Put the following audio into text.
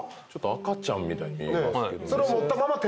赤ちゃんみたいに見えますけどね。